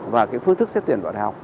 và cái phương thức xếp tuyển đoạn học